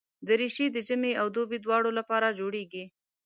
دریشي د ژمي او دوبي دواړو لپاره جوړېږي.